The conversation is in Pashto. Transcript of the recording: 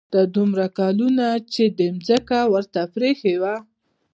دا دومره کلونه چې دې ځمکه ورته پرېښې وه.